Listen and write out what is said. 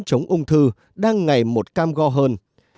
chống ung thư đang ngày một cam go hơn